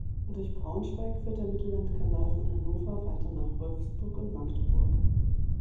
Durch Braunschweig führt der Mittellandkanal von Hannover weiter nach Wolfsburg und Magdeburg.